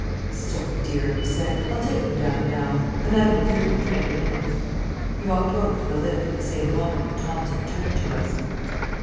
"Sorry, dear," he said. "I'll take them down now. The man will do them in twenty minutes." He walked over to the lift at the same moment that Thomas returned to us.